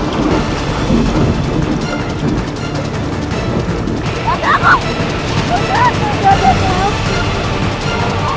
tidak ada seorang pun yang bisa melukai